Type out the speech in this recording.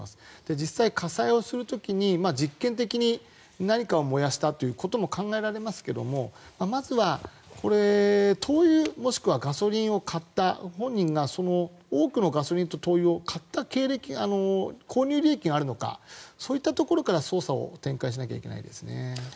実際、火災が起きた時何かを燃やしたことも考えられますがまずは灯油もしくはガソリンを買った本人が多くのガソリンや灯油を買ったという購入履歴があるのかといったところから捜査を展開しないといけないですね。